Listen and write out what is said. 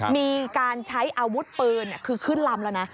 มีการใช้อาวุธปืนคือขึ้นลำแล้วนะ